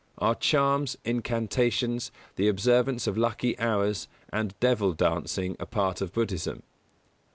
_Are charms, incantations, the observance of lucky hours and devil dancing a part of Buddhism?